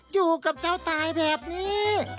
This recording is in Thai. อยู่กับเจ้าตายแบบนี้